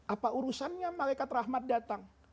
apa urusannya malaikat rahmat datang